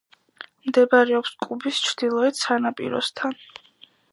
მდებარეობს კუბის ჩრდილოეთ სანაპიროსთან.